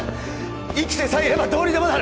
生きてさえいればどうにでもなる